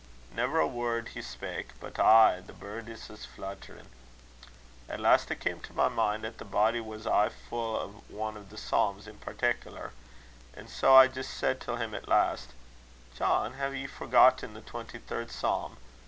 Never a word he spak', but aye 'The birdies is flutterin'.' At last, it cam' to my min' 'at the body was aye fu' o' ane o' the psalms in particler; an' sae I jist said till him at last: 'John, hae ye forgotten the twenty third psalm?'